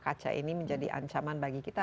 kaca ini menjadi ancaman bagi kita